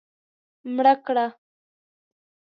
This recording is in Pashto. مړه کړه